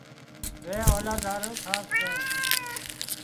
زي اولاد هارُو خاص سي